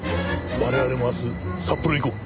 我々も明日札幌へ行こう！